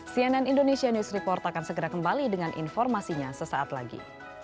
cnn indonesia news report akan segera kembali dengan informasinya sesaat lagi